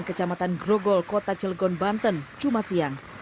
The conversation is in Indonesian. kecamatan grogol kota cilgon banten cuma siang